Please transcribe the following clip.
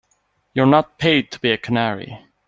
You're not paid to be a canary.